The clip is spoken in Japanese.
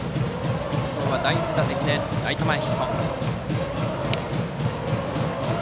今日は第１打席でライト前ヒット。